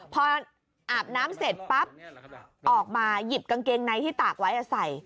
พออาบน้ำเสร็จปั๊บออกมาหยิบกางเกงในที่ตากไว้ใส่